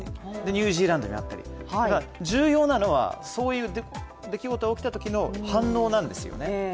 ニュージーランドでもあったり、重要なのは、そういう出来事が起きたときの反応なんですよね。